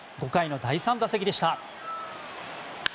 ５回の第３打席でした。